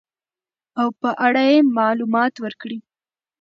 او په اړه يې معلومات ورکړي .